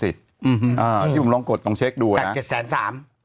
ที่ผมลองกดลองเช็คดูนะ